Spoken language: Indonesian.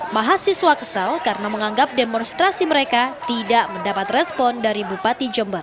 mahasiswa kesal karena menganggap demonstrasi mereka tidak mendapat respon dari bupati jember